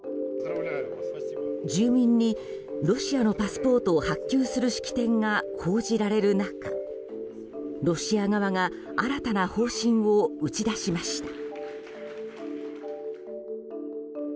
住民にロシアのパスポートを発給する式典が報じられる中ロシア側が新たな方針を打ち出しました。